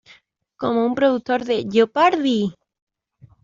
Como un productor de "Jeopardy!